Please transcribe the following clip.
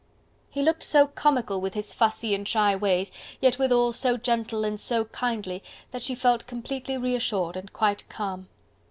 He looked so comical with his fussy and shy ways, yet withal so gentle and so kindly that she felt completely reassured and quite calm.